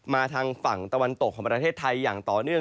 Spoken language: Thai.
ทางฝั่งตะวันตกของประเทศไทยอย่างต่อเนื่อง